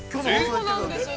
◆そうなんですよ。